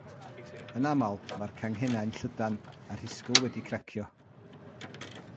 Yn aml, mae'r canghennau'n llydan a'r rhisgl wedi cracio.